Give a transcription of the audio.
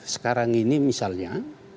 sekarang ini misalnya